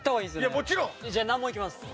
もちろん！じゃあ難問いきます。